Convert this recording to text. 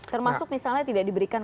termasuk misalnya tidak diberikan